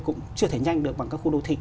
cũng chưa thể nhanh được bằng các khu đô thị